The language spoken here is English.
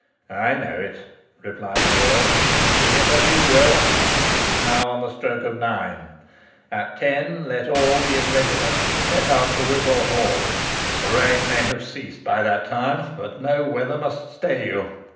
"I know it," replied the earl. "Be it as you will. It is now on the stroke of nine. At ten, let all be in readiness to set out for Wiswall Hall. The rain may have ceased by that time, but no weather must stay you.